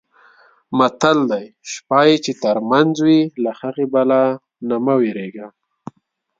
متل دی: شپه یې چې ترمنځه وي د هغې بلا نه مه وېرېږه.